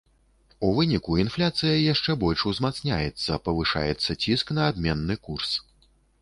У выніку інфляцыя яшчэ больш узмацняецца, павышаецца ціск на абменны курс.